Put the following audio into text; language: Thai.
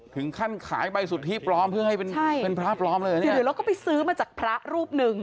ถึงขั้นขายใบสุทธิปลอมเพื่อให้เป็นพระปลอมเลยแล้วก็ไปซื้อมาจากพระรูปหนึ่ง